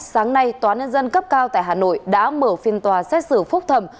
sáng nay tòa nhân dân cấp cao tại hà nội đã mở phiên tòa xét xử phúc thẩm